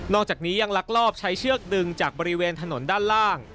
อกจากนี้ยังลักลอบใช้เชือกดึงจากบริเวณถนนด้านล่าง